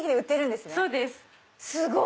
すごい！